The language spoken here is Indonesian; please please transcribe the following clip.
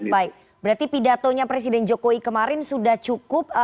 baik berarti pidatonya presiden jokowi kemarin sudah cukup